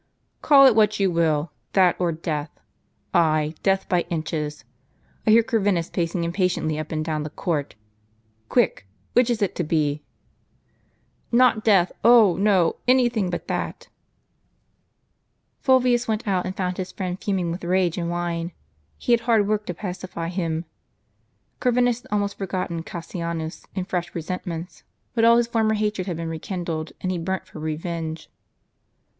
" "Call it what you will; that or death! Ay, death by inches. I hear Corvinus pacing impatiently up and down the court. Quick! which is it to be ?"" Not death ! Oh, no, any thing but that !" Fulvius went out, and found his friend fuming with rage and wine ; he had hard work to pacify him. Corvinus had almost forgotten Cassianus in fresher resentments ; but all his former hatred had been rekindled, and he burnt for revenge.